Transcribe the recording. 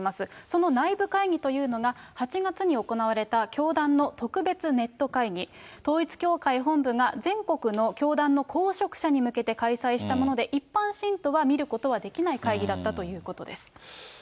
その内部会議というのが、８月に行われた教団の特別ネット会議、統一教会本部が全国の教団の公職者に向けて開催したもので、一般信徒が見ることはできない会議だったということです。